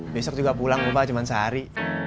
besok juga pulang ubah cuma sehari